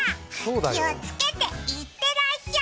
気をつけていってらっしゃい！